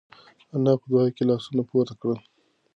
انا په دعا کې لاسونه پورته کړل.